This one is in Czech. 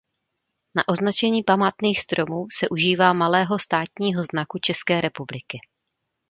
Na označení památných stromů se užívá malého státního znaku České republiky.